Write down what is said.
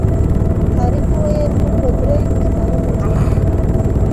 طارق وویل موږ به درې کتارونه جوړ کړو.